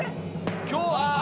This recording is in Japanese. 今日は。